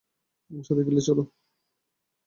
আমার সাথে গিল্ডে চলো।